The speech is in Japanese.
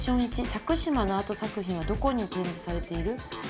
佐久島のアート作品はどこに展示されている？